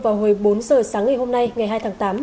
vào hồi bốn giờ sáng ngày hôm nay ngày hai tháng tám